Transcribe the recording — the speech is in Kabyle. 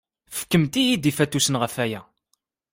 Fkemt-iyi-d ifatusen ɣef waya.